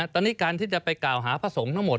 ตอนนี้การที่จะไปกล่าวหาพระสงฆ์ทั้งหมด